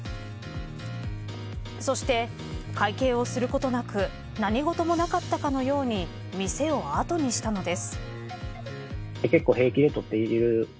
そして、会計をすることなく何事もなかったかのように店を後にしたのです。